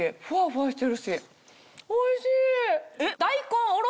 おいしい！